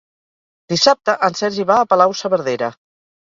Dissabte en Sergi va a Palau-saverdera.